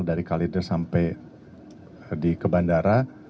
dari kalider sampai di kebandara